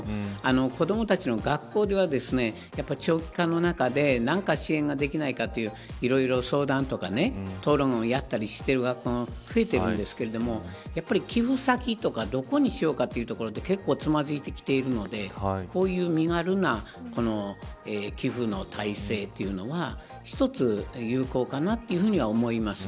子どもたちの学校では長期化の中で何か支援ができないかといういろいろ相談とか討論をやったりしている学校も増えているんですけどやっぱり寄付先とかどこにしようかというところで結構つまずいてきているのでこういう寄付の体制というのは一つ、有効かなというふうには思います。